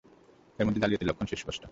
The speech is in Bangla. এর মধ্যে জালিয়াতির লক্ষণ সুস্পষ্ট।